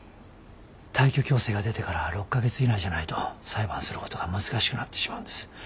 退去強制が出てから６か月以内じゃないと裁判することが難しくなってしまうんです。